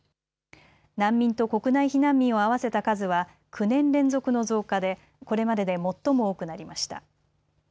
難民と国内避難民を合わせた数は９年連続の増加でこれまでで最も多くなりました。